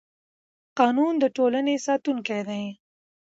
قانون د ټولنې ساتونکی دی